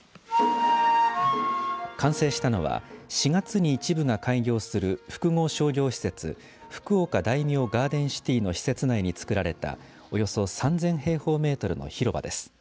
完成したのは４月に一部が開業する複合商業施設福岡大名ガーデンシティの施設内に作られたおよそ３０００平方メートルの広場です。